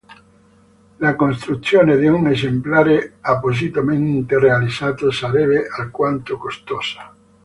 La costruzione di un esemplare appositamente realizzato sarebbe alquanto costosa.